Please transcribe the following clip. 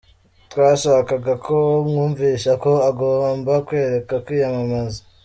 Twashakaga ko mwumvisha ko agomba kureka kwiyamamaza.